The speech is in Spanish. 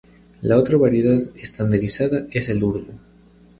La otra variedad estandarizada es el urdu.